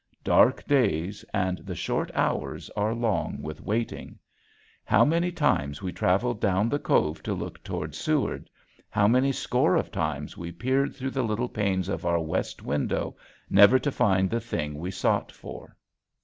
Dark days, and the short hours are long with waiting. How many times we traveled down the cove to look toward Seward, how many score of times we peered through the little panes of our west window never to find the thing we sought for.